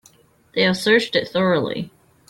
They have searched it thoroughly.